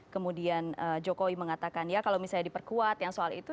kemudian jokowi mengatakan ya kalau misalnya diperkuat yang soal itu